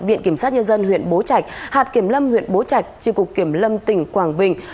viện kiểm sát nhân dân huyện bố trạch hạt kiểm lâm huyện bố trạch tri cục kiểm lâm tỉnh quảng bình